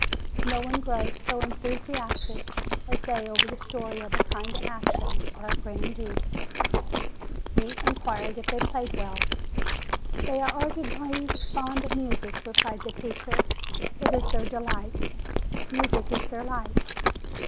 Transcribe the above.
No one grows so enthusiastic as they over the story of a kind action, of a grand deed." Votini inquired if they played well. "They are ardently fond of music," replied the teacher. "It is their delight. Music is their life.